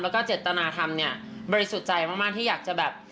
แล้วก็เจตนาธรรมเนี่ยบริสุทธิ์ใจมากที่อยากจะแบบ